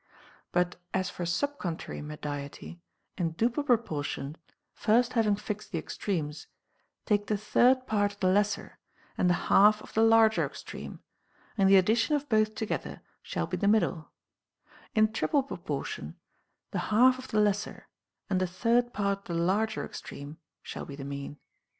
34 t OF THE PROCREATION OF THE SOUL. But as for sub contrary mediety, in duple proportion, first having fixed the extremes, take the third part of the lesser and the half of the larger extreme, and the addition of both together shall be the middle ; in triple proportion, the half of the lesser and the third part of the larger ex treme shall be the mean.